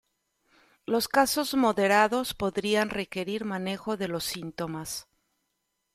Los casos moderados podrían requerir manejo de los síntomas.